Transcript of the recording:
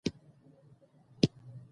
اسلامي بانکوالي د خلکو د عقیدې مطابق ده.